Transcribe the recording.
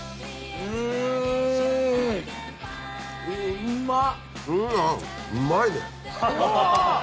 うまっ。